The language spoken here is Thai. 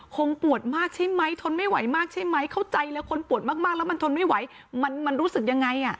คงปวดมากใช่ไหมทนไม่ไหวมากใช่ไหมเข้าใจเลยคนปวดมากแล้วมันทนไม่ไหวมันรู้สึกยังไง